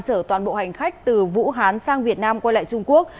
chở toàn bộ hành khách từ vũ hán sang việt nam quay lại trung quốc